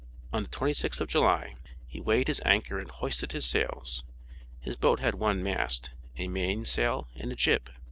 On the 26th of July he weighed his anchor and hoisted his sails; his boat had one mast, a main sail and a jib.